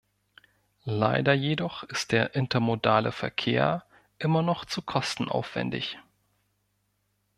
Leider jedoch ist der intermodale Verkehr immer noch zu kostenaufwendig.